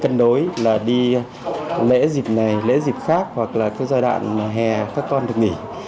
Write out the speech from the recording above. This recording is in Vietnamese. cân đối là đi lễ dịp này lễ dịp khác hoặc là các giai đoạn hè các con được nghỉ